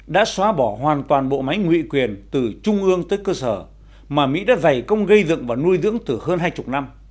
đã xóa bỏ hoàn toàn bộ máy ngụy quyền từ trung ương tới cơ sở mà mỹ đã dày công gây dựng và nuôi dưỡng từ hơn hai mươi năm